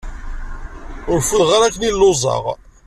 Ur fudeɣ ara akken i lluẓeɣ